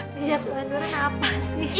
kejatuhan durian apa sih